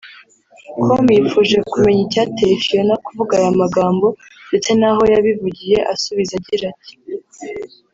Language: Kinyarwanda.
com yifuje kumenya icyateye Phionah kuvuga aya magambo ndetse n'aho yabivugiye asubiza agira ati